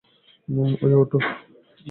ওই, ওঠো!